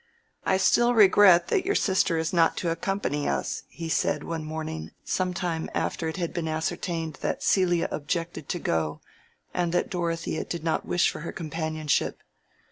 "I still regret that your sister is not to accompany us," he said one morning, some time after it had been ascertained that Celia objected to go, and that Dorothea did not wish for her companionship.